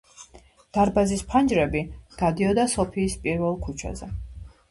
დარბაზის ფანჯრები გადიოდა სოფიის პირველ ქუჩაზე.